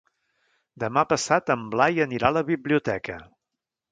Demà passat en Blai anirà a la biblioteca.